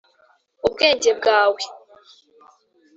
ubwenge bwawe.